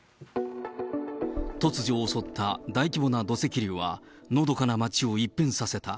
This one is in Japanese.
突如襲った大規模な土石流は、のどかな街を一変させた。